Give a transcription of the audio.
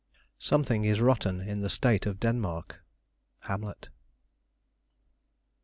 "Something is rotten in the State of Denmark." Hamlet.